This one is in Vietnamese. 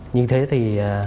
như thế thì